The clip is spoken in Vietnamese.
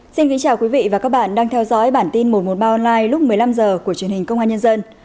chào mừng quý vị đến với bản tin một trăm một mươi ba online lúc một mươi năm h của truyền hình công an nhân dân